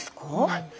はい。